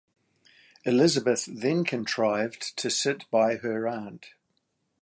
Elizabeth then contrived to sit by her aunt.